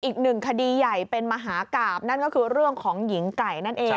อีกหนึ่งคดีใหญ่เป็นมหากราบนั่นก็คือเรื่องของหญิงไก่นั่นเอง